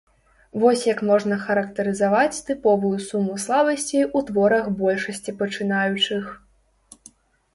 Вось як можна характарызаваць тыповую суму слабасцей у творах большасці пачынаючых.